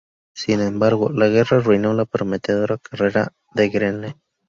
Sin embargo, la guerra arruinó la prometedora carrera de Greene.